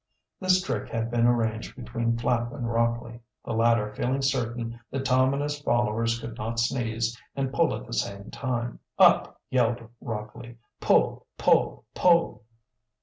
This trick had been arranged between Flapp and Rockley, the latter feeling certain that Tom and his followers could not sneeze and pull at the same time. "Up!" yelled Rockley. "Pull! pull! pull!"